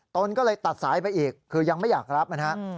ตนก็เลยตัดสายไปอีกคือยังไม่อยากรับนะฮะ